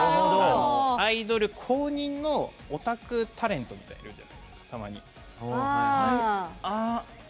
アイドル公認のオタクタレントみたいなのがいるじゃないですか。